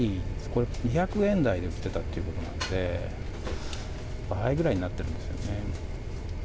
これ、２００円台で売ってたってことなので倍ぐらいになっているんですよね。